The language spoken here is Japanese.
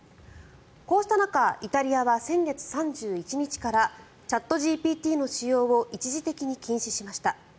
こうした中、イタリアは先月３１日からチャットＧＰＴの使用を一時的に禁止しました。